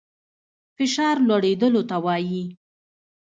فشار لوړېدلو ته وايي.